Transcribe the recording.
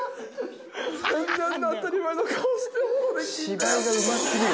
芝居がうますぎる。